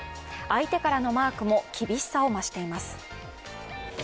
相手からのマークも厳しさを増しています。